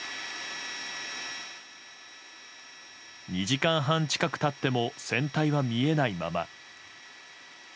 ２時間半近く経っても船体は見えないまま。